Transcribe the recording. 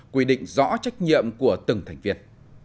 quy định rõ trách nhiệm của từng thành viên